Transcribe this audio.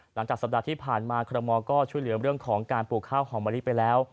หลังจากสัปดาห์ที่ผ่านมาคอรมอลก็ช่วยเหลือเรื่องของการปลูกข้าวหอมมะลิไปแล้ว